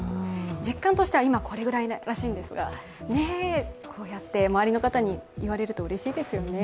実感としては今、これくらいらしいですが、こうやって周りの方に言われるとうれしいですよね。